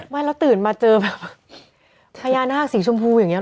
ไม่แล้วตื่นมาเจอแบบพญานาคสีชมพูอย่างนี้